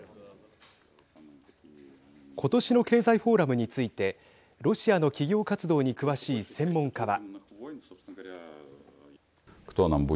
ことしの経済フォーラムについてロシアの企業活動に詳しい専門家は。